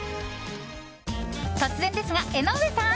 突然ですが、江上さん！